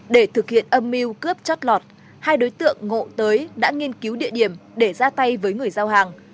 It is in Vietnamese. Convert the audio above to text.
để thực hiện âm mưu cướp chót lọt hai đối tượng ngộ tới đã nghiên cứu địa điểm để ra tay với người giao hàng